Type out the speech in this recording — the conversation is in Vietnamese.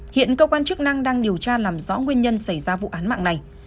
hiện cơ quan chức năng đang điều tra làm rõ nguyên nhân xảy ra vụ án mạng này